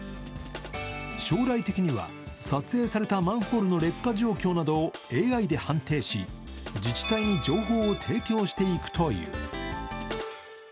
将来的には撮影されたマンホールの劣化状況などをＡＩで判定し自治体に情報を提供していくという。